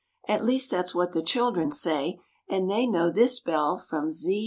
At least that's what the children say. And they know this bell from Z to A.